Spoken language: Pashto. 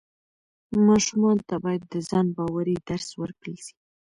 ماشومانو ته باید د ځان باورۍ درس ورکړل سي.